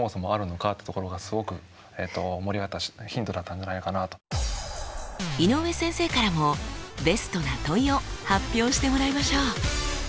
でまあその井上先生からもベストな問いを発表してもらいましょう。